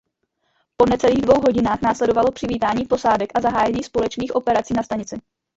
Po necelých dvou hodinách následovalo přivítání posádek a zahájení společných operací na stanici.